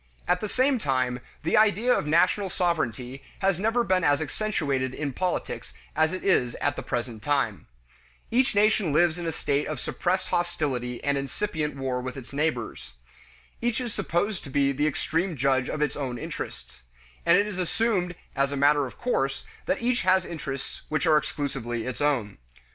At the same time, the idea of national sovereignty has never been as accentuated in politics as it is at the present time. Each nation lives in a state of suppressed hostility and incipient war with its neighbors. Each is supposed to be the supreme judge of its own interests, and it is assumed as matter of course that each has interests which are exclusively its own.